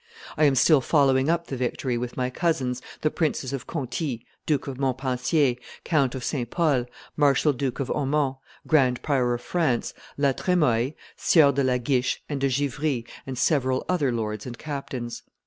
I am still following up the victory with my cousins the princes of Conti, Duke of Montpensier, Count of St. Paul, Marshal duke of Aumont, grand prior of France, La Tremoille, Sieurs de la Guiche and de Givry, and several other lords and captains.